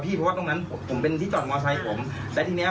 เพราะว่าตรงนั้นผมเป็นที่จอดมอไซค์ผมและทีเนี้ย